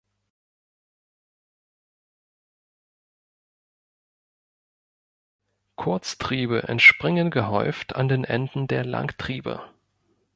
Kurztriebe entspringen gehäuft an den Enden der Langtriebe.